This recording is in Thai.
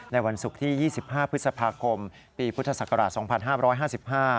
ในวันศุกร์ที่๒๕พฤษภาคมปีพุทธศักราช๒๕๕๕